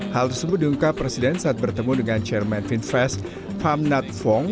hal tersebut diungkap presiden saat bertemu dengan chairman finfest pham nhat phong